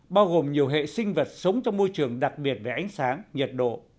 bao gồm nhiều hệ sinh vật sống trong môi trường đặc biệt về ánh sáng nhiệt độ